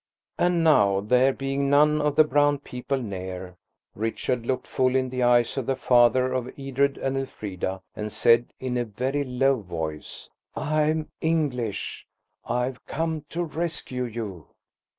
And now, there being none of the brown people near, Richard looked full in the eyes of the father of Edred and Elfrida, and said in a very low voice– "I am English. I've come to rescue you."